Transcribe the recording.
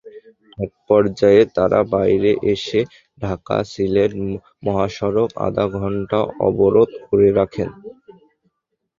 একপর্যায়ে তাঁরা বাইরে এসে ঢাকা-সিলেট মহাসড়ক আধা ঘণ্টা অবরোধ করে রাখেন।